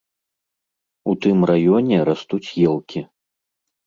У тым раёне растуць елкі.